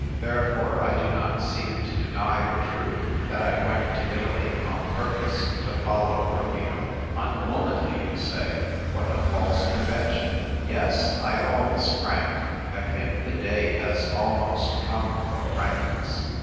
Therefore I do not seek to deny the truth that I went to Italy on purpose to follow Romeo. " Unwomanly !" you say. What a false convention ! Yes, I am always frank ; I think the day has almost come for frankness.